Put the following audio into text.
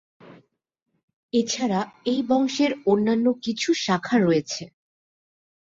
এছাড়া এই বংশের অন্যান্য কিছু শাখা রয়েছে।